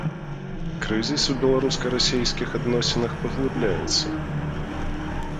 Крызіс у беларуска-расейскіх адносінах паглыбляецца.